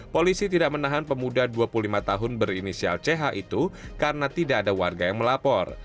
polisi tidak menahan pemuda dua puluh lima tahun berinisial ch itu karena tidak ada warga yang melapor